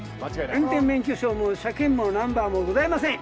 運転免許証も車検もナンバーもございません。